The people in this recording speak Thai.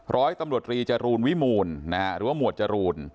ร้อยตำรวจรีจรูลวิมูลหรือว่าหมวดจรูน